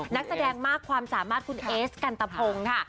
นักแสดงมากความสามารถคุณเอสกันตะพงค่ะ